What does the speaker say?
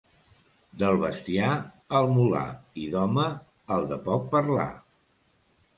Del bestiar, el mular, i, d'home, el de poc parlar.